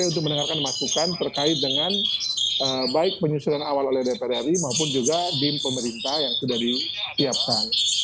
untuk mendengarkan masukan terkait dengan baik penyusuran awal oleh dpr ri maupun juga dim pemerintah yang sudah disiapkan